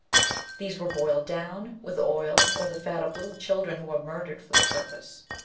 These were boiled down with oil, or the fat of little children who were murdered for the purpose.